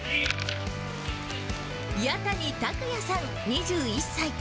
弥谷拓哉さん２１歳。